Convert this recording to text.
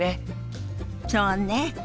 そうね。